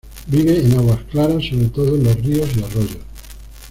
Vive en aguas claras, sobre todo en los ríos y arroyos.